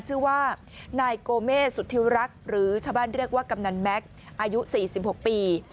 ชื่อว่านายโกเมสุธิวรักษ์หรือชาวบ้านเรียกว่ากำนันแม็กซ์อายุ๔๖ปี